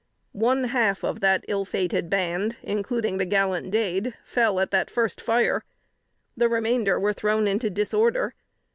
One half of that ill fated band, including the gallant Dade, fell at the first fire. The remainder were thrown into disorder.